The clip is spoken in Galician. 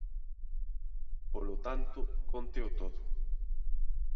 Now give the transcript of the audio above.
Polo tanto, cónteo todo.